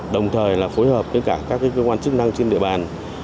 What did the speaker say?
đồng thời phối hợp với các cơ quan chức năng trên địa bàn